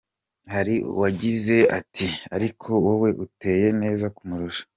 Hari uwagize ati “Ariko wowe uteye neza kumurusha.